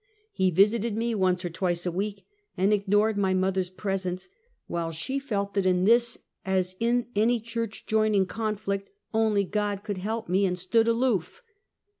He visited me once or twice a week, and ignored my mother's presence, while she felt that in this, as in any clmrch joining conflict, only God could help me, and stood aloof.